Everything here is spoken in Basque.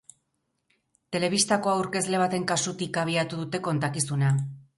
Telebistako aurkezle baten kasutik abiatu dute kontakizuna.